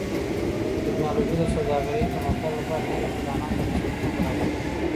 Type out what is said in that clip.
ټکنالوژي د سوداګرۍ پرمختګ لپاره نوي امکانات او فرصتونه برابروي.